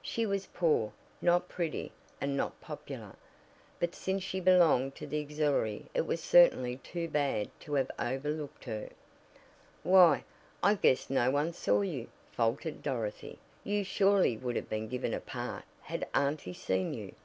She was poor, not pretty, and not popular, but since she belonged to the auxiliary it was certainly too bad to have overlooked her. "Why, I guess no one saw you," faltered Dorothy. "You surely would have been given a part had auntie seen you."